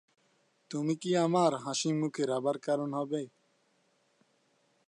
সড়ক দ্বারা সহজেই পৌঁছতে পারে।